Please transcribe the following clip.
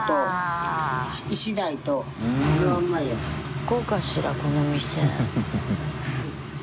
行こうかしらこのお店。